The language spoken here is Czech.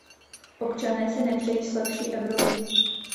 Občané si nepřejí slabší Evropu.